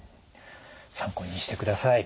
参考にしてください。